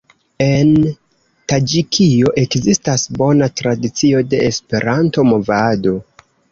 En Taĝikio ekzistas bona tradicio de Esperanto-movado.